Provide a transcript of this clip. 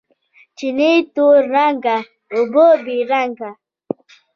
چینې تور رنګه، اوبه بې رنګه